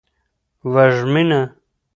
وږمینه